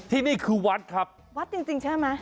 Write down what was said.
ที่นี่คือวัดครับวัดจริงใช่มั้ย